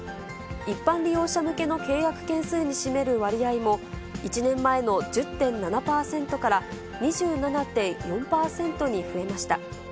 一般利用者向けの契約件数に占める割合も、１年前の１０．７％から、２７．４％に増えました。